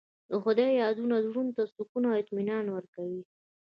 د خدای یاد زړونو ته سکون او اطمینان ورکوي.